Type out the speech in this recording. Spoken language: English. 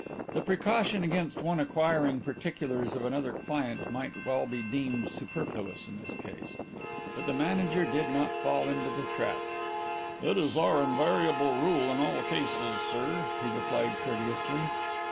The precaution against one acquiring particulars of another client might well be deemed superfluous in his case. But the manager did not fall into the trap. "It is our invariable rule in all cases, sir," he replied courteously.